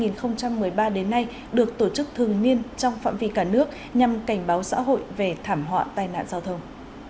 năm hai nghìn một mươi ba đến nay được tổ chức thường niên trong phạm vi cả nước nhằm cảnh báo xã hội về thảm họa tai nạn giao thông